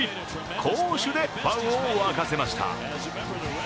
攻守でファンを沸かせました。